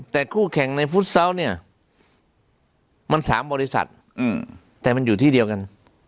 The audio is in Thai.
แต่คู่แข่งในเนี้ยมันสามบริษัทอืมแต่มันอยู่ที่เดียวกัน